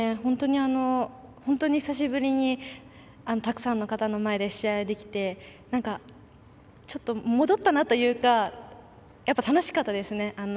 本当に久しぶりにたくさんの方の前で試合できてちょっと、戻ったなというかやっぱり楽しかったですね。